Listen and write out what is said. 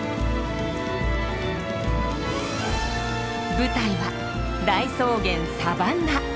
舞台は大草原サバンナ。